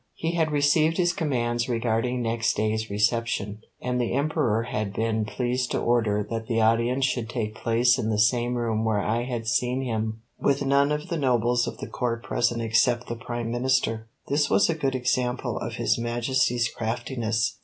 He had received his commands regarding next day's reception, and the Emperor had been pleased to order that the audience should take place in the same room where I had seen him, with none of the nobles of the Court present except the Prime Minister. This was a good example of his Majesty's craftiness.